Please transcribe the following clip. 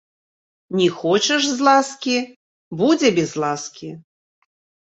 Не хочаш з ласкі, будзе без ласкі!